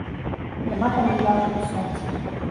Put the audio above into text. Няма там ніякага сонца.